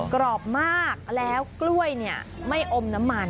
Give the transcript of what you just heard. กรอบมากแล้วกล้วยไม่อมน้ำมัน